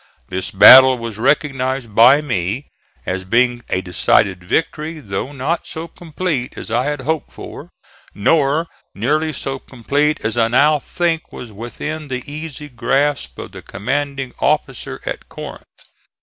This battle was recognized by me as being a decided victory, though not so complete as I had hoped for, nor nearly so complete as I now think was within the easy grasp of the commanding officer at Corinth.